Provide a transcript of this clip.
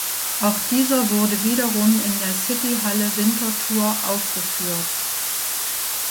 Auch dieser wurde wiederum in der City Halle Winterthur aufgeführt.